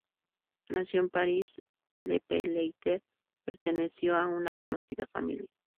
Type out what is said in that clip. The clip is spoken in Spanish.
Nacido en París, le Peletier perteneció a una conocida familia.